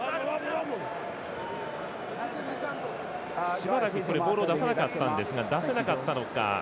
しばらくボールを出さなかったんですが出せなかったのか。